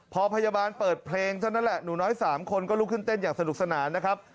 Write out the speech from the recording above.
พอพยาบาลเปิดเพลงเท่านั้นแหละหนูน้อย๓คนก็ลุกขึ้นเต้นอย่างสนุกสนานนะครับ